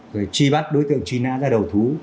rồi truy bắt đối tượng truy nã ra đầu thú